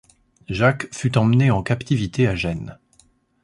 Jacques fut emmené en captivité à Gênes.